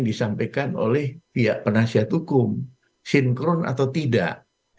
disampaikan oleh pihak penasihat hukum sinkron atau tidak